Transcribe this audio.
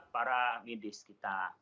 para medis kita